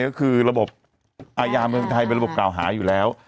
ก็คือระบบอายาเมืองไทยเป็นระบบกล่าวหาอยู่แล้ว